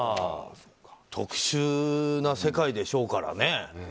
特殊な世界でしょうからね。